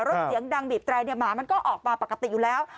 เสียงดังบีบแตรเนี่ยหมามันก็ออกมาปกติอยู่แล้ว